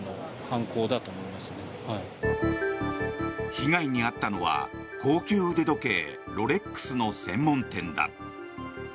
被害に遭ったのは高級腕時計ロレックスの専門店だ。